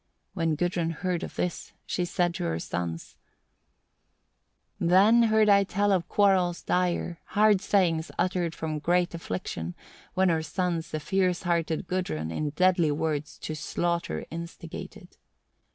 When Gudrun heard of this she said to her sons: 1. Then heard I tell of quarrels dire, hard sayings uttered from great affliction, when her sons the fierce hearted Gudrun, in deadly words, to slaughter instigated.